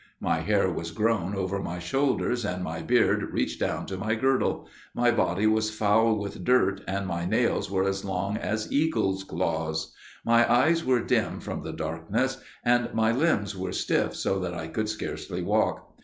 My hair was grown over my shoulders, and my beard reached down to my girdle; my body was foul with dirt, and my nails were as long as eagles' claws; my eyes were dim from the darkness, and my limbs were stiff so that I could scarcely walk.